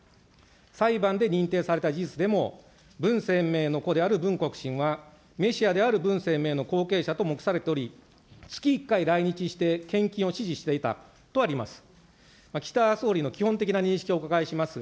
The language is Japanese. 裁判で認定された事実でも、文鮮明の子である文こくしんは、メシアである文鮮明の後継者と目されており、月１回来日して献金を指示していたとあります。